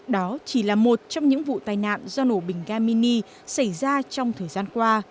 đó chỉ là một trong những vụ tai nạn do nổ bình ga mini xảy ra trong thời gian qua